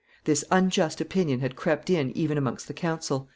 This unjust opinion had crept in even amongst the council."